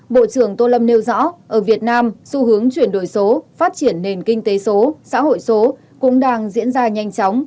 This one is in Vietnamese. bộ trưởng tô lâm nêu rõ ở việt nam xu hướng chuyển đổi số phát triển nền kinh tế số xã hội số cũng đang diễn ra nhanh chóng